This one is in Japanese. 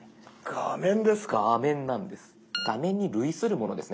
画面なんです。